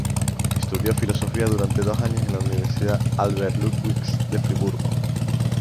Estudió filosofía durante dos años en la Universidad Albert-Ludwigs de Friburgo.